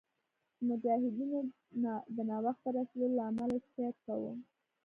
د مجاهدینو د ناوخته رسېدلو له امله یې شکایت کاوه.